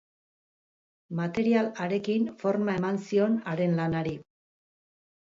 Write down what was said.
Material harekin forma eman zion haren lanari.